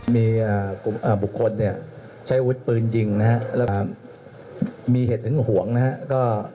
มีบุคคลใช้อาวุธปืนยิงนะครับแล้วมีเหตุถึงห่วงนะครับ